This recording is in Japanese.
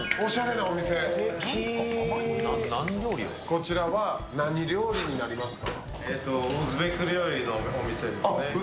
こちらは何料理になりますか？